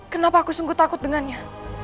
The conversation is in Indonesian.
kenapa aku sungguh takut dengannya